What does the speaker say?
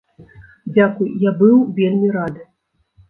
Дзякуй, я быў вельмі рады.